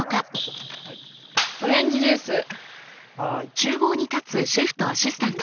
ちゅう房に立つシェフとアシスタント。